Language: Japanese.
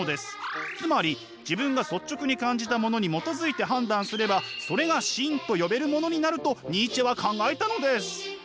つまり自分が率直に感じたものに基づいて判断すればそれが芯と呼べるものになるとニーチェは考えたのです！